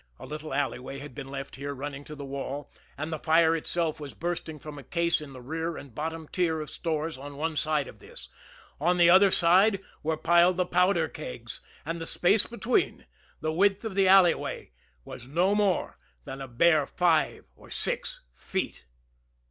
A little alleyway had been left here running to the wall, and the fire itself was bursting from a case in the rear and bottom tier of stores on one side of this; on the other side were piled the powder kegs and the space between, the width of the alleyway, was no more than a bare five or six feet.